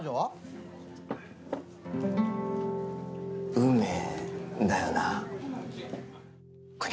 運命だよな。